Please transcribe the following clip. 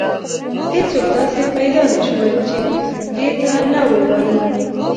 هیڅوک داسې پیدا نه شول چې دې ته نه ووایي.